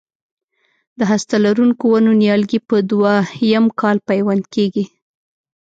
د هسته لرونکو ونو نیالګي په دوه یم کال پیوند کېږي.